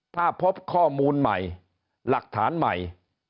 ถ้าพบข้อมูลใหม่หลักฐานใหม่